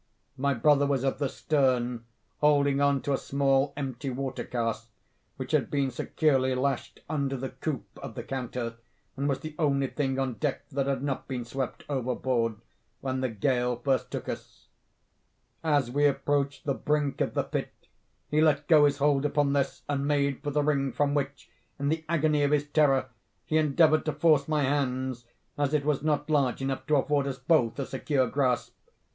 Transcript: My brother was at the stern, holding on to a small empty water cask which had been securely lashed under the coop of the counter, and was the only thing on deck that had not been swept overboard when the gale first took us. As we approached the brink of the pit he let go his hold upon this, and made for the ring, from which, in the agony of his terror, he endeavored to force my hands, as it was not large enough to afford us both a secure grasp.